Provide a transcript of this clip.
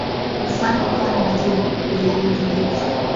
Ufalme ukawa na majimbo, wilaya na vijiji.